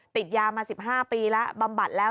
ติดยามา๑๕ปีแล้วบำบัดแล้ว